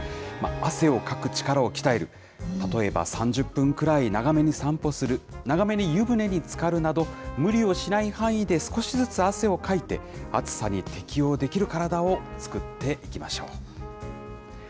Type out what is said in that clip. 汗をかく力を鍛える、例えば３０分くらい長めに散歩する、長めに湯船につかるなど、無理をしない範囲で少しずつ汗をかいて、暑さに適応できる体を作っていきましょう。